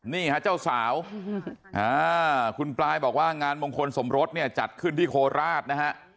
นี่ฮะเจ้าสาวคุณปลายบอกว่างานมงคลสมรสเนี่ยจัดขึ้นที่โคราชนะฮะ